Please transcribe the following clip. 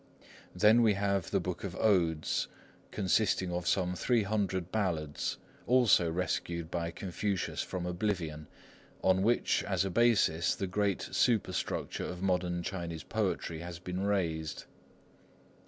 Then we have the Book of Odes, consisting of some three hundred ballads, also rescued by Confucius from oblivion, on which as a basis the great superstructure of modern Chinese poetry has been raised.